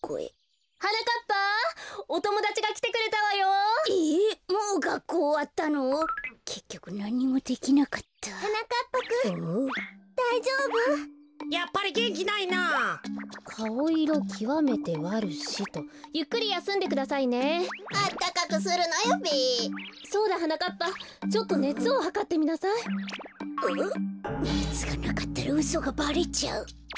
こころのこえねつがなかったらうそがばれちゃう。